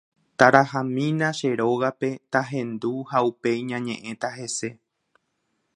Tarahamína che rógape, tahendu ha upéi ñañe'ẽta hese.